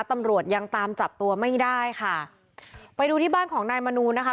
ตำรวจยังตามจับตัวไม่ได้ค่ะไปดูที่บ้านของนายมนูลนะคะ